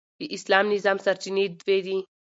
د اسلامي نظام سرچینې دوې دي.